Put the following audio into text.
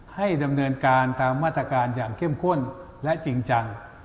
ให้ดำเนินการตามมาตรการอย่างเข้มข้นและจริงจัง